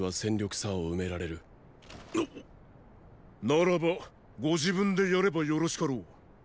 ならばご自分でやればよろしかろう。